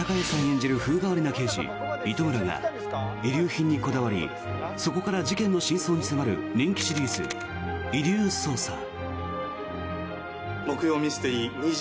演じる風変わりな刑事、糸村が遺留品にこだわりそこから事件の真相に迫る人気シリーズ「遺留捜査」。